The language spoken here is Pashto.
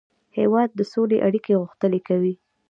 هېواد د سولې اړیکې غښتلې کوي.